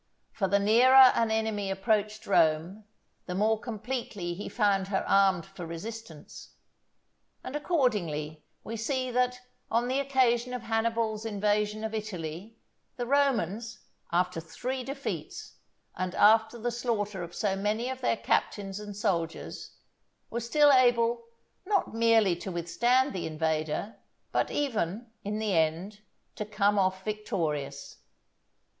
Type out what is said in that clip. For the nearer an enemy approached Rome, the more completely he found her armed for resistance; and accordingly we see that on the occasion of Hannibal's invasion of Italy, the Romans, after three defeats, and after the slaughter of so many of their captains and soldiers, were still able, not merely to withstand the invader, but even, in the end, to come off victorious.